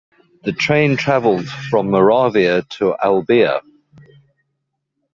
The train traveled from Moravia to Albia.